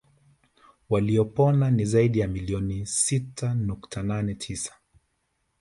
Waliopona ni zaidi ya milioni sita nukta nane tisa